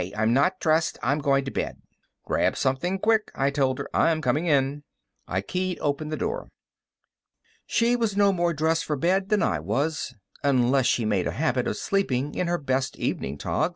I'm not dressed. I'm going to bed." "Grab something quick," I told her. "I'm coming in." I keyed open the door. She was no more dressed for bed than I was, unless she made a habit of sleeping in her best evening togs.